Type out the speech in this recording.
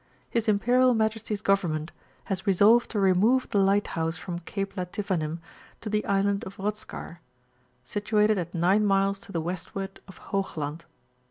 His Imperial Majestv*s Government has resolved to remove the lighthouse from Cape Lativanem to the Island of Rothskar, situated at 9 miles to the westward of Hoogland.